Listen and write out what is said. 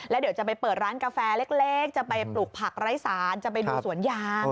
แล้วเดี๋ยวจะไปเปิดร้านกาแฟเล็กจะไปปลูกผักไร้สารจะไปดูสวนยาง